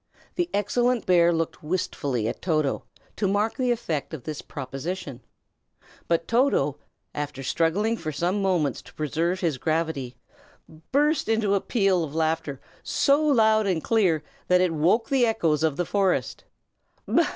The excellent bear looked wistfully at Toto, to mark the effect of this proposition; but Toto, after struggling for some moments to preserve his gravity, burst into a peal of laughter, so loud and clear that it woke the echoes of the forest.